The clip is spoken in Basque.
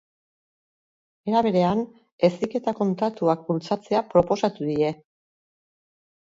Era berean, heziketa-kontratuak bultzatzea proposatu die.